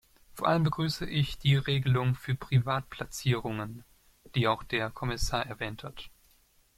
Vor allem begrüße ich die Regelung für Privatplatzierungen, die auch der Kommissar erwähnt hat.